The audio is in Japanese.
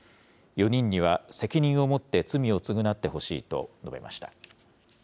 ４人には責任を持って罪を償ってほしいと述べました。